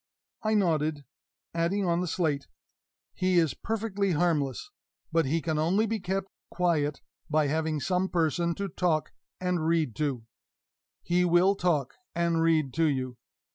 I nodded, adding on the slate, "He is perfectly harmless, but he can only be kept quiet by having some person to talk and read to. He will talk and read to you.